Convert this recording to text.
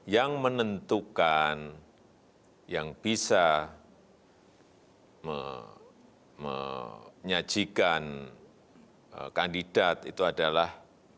yang menentukan yang bisa menyajikan kandidat itu adalah